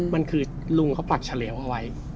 มันคือลุงเขาปักเฉลวเอาไว้